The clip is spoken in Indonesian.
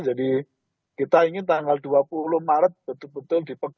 jadi kita ingin tanggal dua puluh maret betul betul dipegang